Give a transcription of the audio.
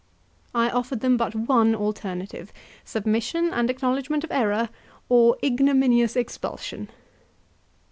I offered then but one alternative submission and acknowledgment of error, or ignominious expulsion.